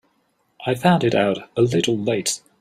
I found it out a little late.